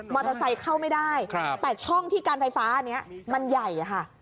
มอเตอร์ไซค์เข้าไม่ได้แต่ช่องที่การไฟฟ้าเนี่ยมันใหญ่ค่ะ